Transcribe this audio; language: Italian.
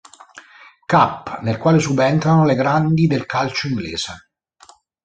Cup, nel quale subentrano le grandi del calcio inglese.